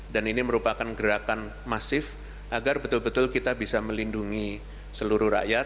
dan ini merupakan gerakan masif agar betul betul kita bisa melindungi seluruh rakyat